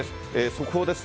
速報です。